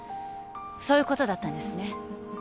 そういうことだったんですね。